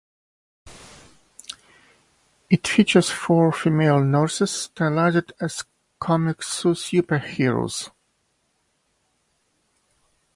It features four female nurses stylized as comic superheroes.